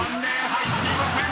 入っていません］